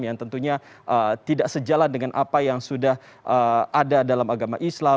yang tentunya tidak sejalan dengan apa yang sudah ada dalam agama islam